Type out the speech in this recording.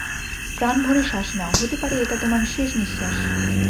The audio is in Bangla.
প্রাণ ভরে শ্বাস নাও, হতে পারে এটা তোমার শেষ নিশ্বাস।